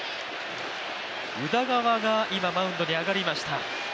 宇田川が今、マウンドに上がりました。